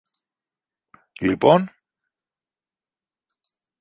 Λοιπόν;